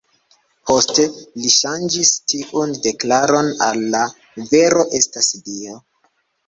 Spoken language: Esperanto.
Poste li ŝanĝis tiun deklaron al "la vero estas Dio".